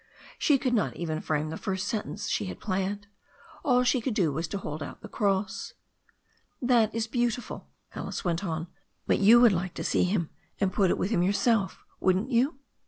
She could not even frame the first sentence she had planned. All she could do was to hold out the cross. "That is beautiful," Alice went on, "but you would like to see him, and put it with him yourself, wouldn't you?"